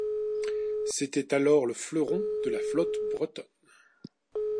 C'était alors le fleuron de la flotte bretonne.